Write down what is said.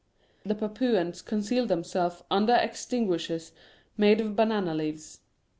The Papuans conceal themselves under ex tinguishers made of banana leaves.